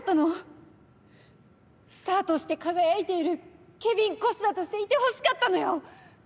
スターとして輝いているケビン小須田としていてほしかったのよ。